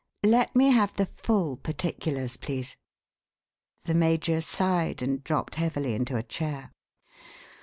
Let me have the full particulars, please." The major sighed and dropped heavily into a chair.